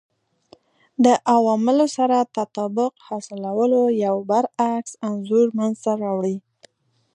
دې عواملو سره تطابق حاصلولو یو برعکس انځور منځته راوړي